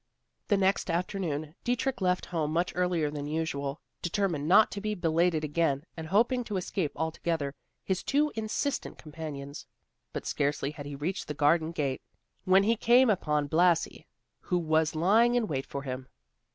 The next afternoon, Dietrich left home much earlier than usual, determined not to be belated again, and hoping to escape altogether his too insistent companions. But scarcely had he reached the garden gate when he came upon Blasi, who was lying in wait for him.